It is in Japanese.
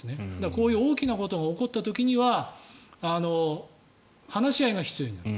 こういう大きなことが起こった時には話し合いが必要になる。